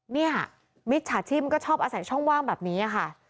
นี่ฮะมิตรชาชีพมันก็ชอบอาศัยช่องว่างแบบนี้ค่ะ